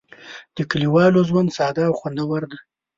د کلیوالو ژوند ساده او خوندور دی.